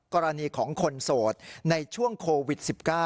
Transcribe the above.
กรณีของคนโสดในช่วงโควิด๑๙